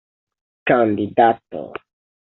kandidato